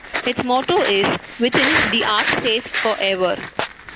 Its motto is "Within The Ark Safe For Ever".